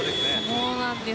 そうなんです。